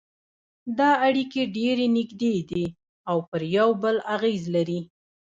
دا اړیکې ډېرې نږدې دي او پر یو بل اغېز لري